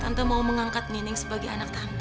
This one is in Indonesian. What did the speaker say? tante mau mengangkat nining sebagai anak tante